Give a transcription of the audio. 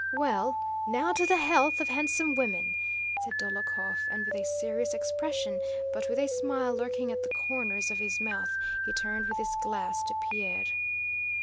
"Well, now to the health of handsome women!" said Dólokhov, and with a serious expression, but with a smile lurking at the corners of his mouth, he turned with his glass to Pierre.